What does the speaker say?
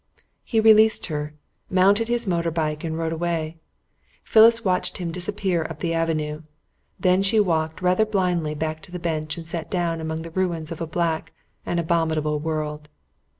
He released her, mounted his motor bicycle, and rode away. Phyllis watched him disappear up the avenue; then she walked rather blindly back to the bench and sat down among the ruins of a black and abominable world.